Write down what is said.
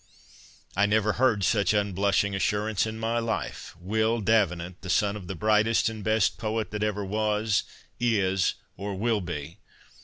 "I never heard such unblushing assurance in my life!—Will D'Avenant the son of the brightest and best poet that ever was, is, or will be?